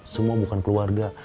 semua bukan keluarga